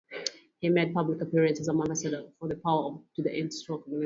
He made public appearances as an "ambassador" for the "Power to End Stroke" organization.